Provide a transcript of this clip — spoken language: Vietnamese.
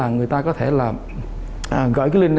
người ta có thể gửi link